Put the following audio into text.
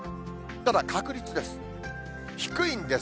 ただ、確率です。